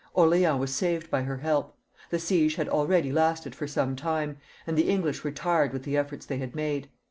Orleans was saved by her help. The siege had already lasted for some time, and the English were tired with the efforts they had made.